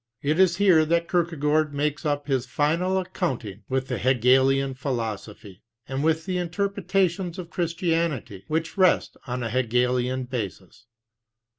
It is here that Kierkegaard makes \jp his final account ing with the Hegelian philosophy, and with the interpretations of Christianity which rest on a Hegelian basis.